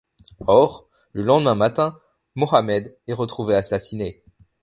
Or, le lendemain matin, Mohamed est retrouvé assassiné.